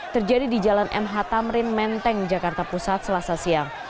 terjadi di jalan mh tamrin menteng jakarta pusat selasa siang